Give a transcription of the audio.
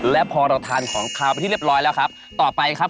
และพอเราทานของขาวไปที่เรียบร้อยแล้วครับต่อไปครับ